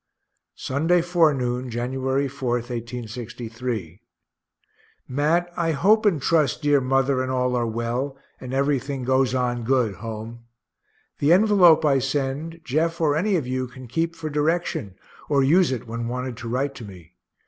Sunday forenoon, Jan. 4, 1863. Mat, I hope and trust dear mother and all are well, and everything goes on good home. The envelope I send, Jeff or any of you can keep for direction, or use it when wanted to write to me.